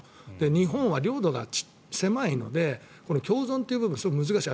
日本は領土が狭いので共存という部分がすごい難しい。